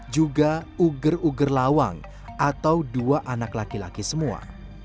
juga uger uger lawang atau dua anak laki laki semua